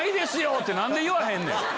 って何で言わへんねん？